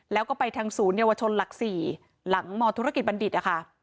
แล้วก็ไปทางศูนยวชนหลัก๔หลังมธุรกิจบัณฑิตนะคะ